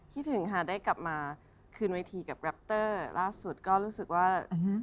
คิดถึงค่ะได้กลับมาคืนเวทีกับแรปเตอร์ล่าสุดก็รู้สึกว่า